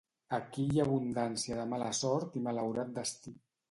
Aquí hi ha abundància de mala sort i malaurat destí.